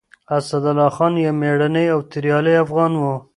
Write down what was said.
اسدالله خان يو مېړنی او توريالی افغان و.